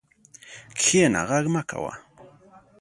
کښېنه، غږ مه کوه.